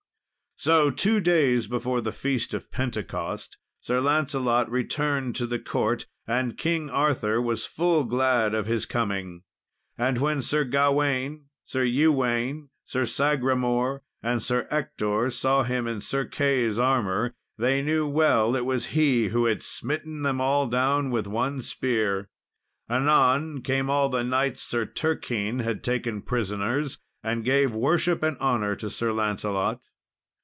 "So, two days before the Feast of Pentecost, Sir Lancelot returned to the court, and King Arthur was full glad of his coming. And when Sir Gawain, Sir Ewaine, Sir Sagramour, and Sir Ector, saw him in Sir Key's armour, they knew well it was he who had smitten them all down with one spear. Anon, came all the knights Sir Turquine had taken prisoners, and gave worship and honour to Sir Lancelot.